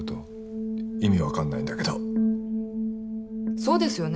そうですよね。